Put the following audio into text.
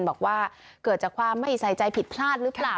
บอกว่าเกิดจากความไม่ใส่ใจผิดพลาดหรือเปล่า